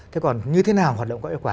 thế còn như thế nào hoạt động có hiệu quả